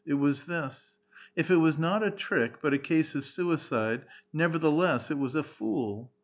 It was this. If it was not a trick, but a case of sui cide, nevertheless, it was a fool